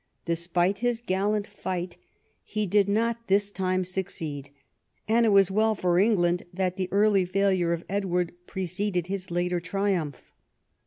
Despite his gallant fight he did not this time succeed, and it was well for England that the early failure of Edward preceded his later triumph.